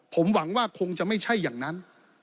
ผมหวังว่าคงจะไม่ใช่อย่างนั้น